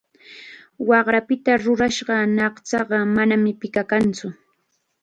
Waqrapita rurashqa ñaqchaqa manam pakikantsu.